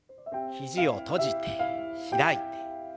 肘を閉じて開いて。